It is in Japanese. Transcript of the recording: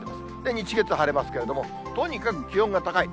日、月、晴れますけど、とにかく気温が高い。